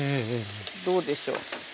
どうでしょう。